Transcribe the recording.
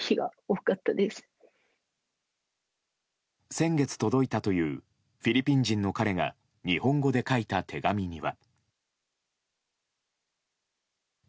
先月届いたというフィリピン人の彼が日本語で書いた手紙には。